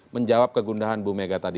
menjawab kegundahan bu mega tadi